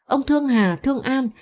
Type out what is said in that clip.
ông thương hà thương an